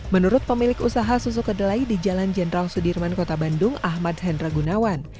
menurut pemilik usaha susu kedelai di jalan jenderal sudirman kota bandung ahmad hendra gunawan